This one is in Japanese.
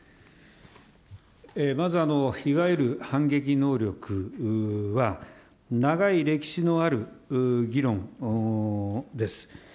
まず、いわゆる反撃能力は、長い歴史のある議論です。